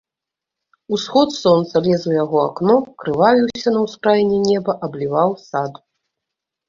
Усход сонца лез у яго акно, крывавіўся на ўскраіне неба, абліваў сад.